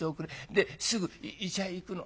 ですぐ医者へ行くの。